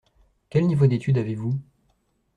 Quel niveau d’étude avez-vous ?